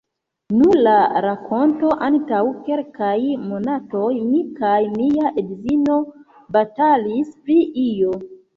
Nu, la rakonto: antaŭ kelkaj monatoj, mi kaj mia edzino batalis pri io.